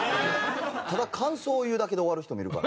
ただ感想を言うだけで終わる人もいるから。